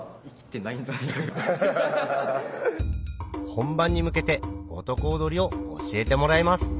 本番に向けて男踊りを教えてもらいます